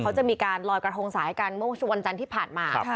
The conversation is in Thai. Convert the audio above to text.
เขาจะมีการลอยกระทงสายกันเมื่อวันจันทร์ที่ผ่านมา